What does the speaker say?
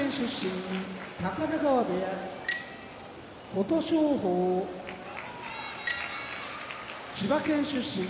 琴勝峰千葉県出身